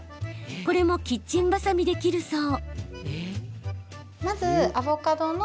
これもキッチンバサミで切るそう。